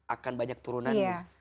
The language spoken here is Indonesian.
akan banyak turunan